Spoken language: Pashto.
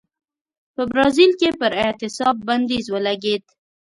په برازیل کې پر اعتصاب بندیز ولګېد.